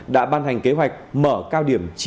đã ban hành kế hoạch mở cao điểm